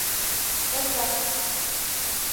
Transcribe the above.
— Оза!